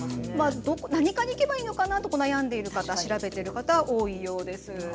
何科に行けばいいのか悩んでいる方調べている方が多いようです。